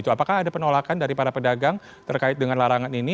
apakah ada penolakan dari para pedagang terkait dengan larangan ini